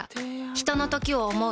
ひとのときを、想う。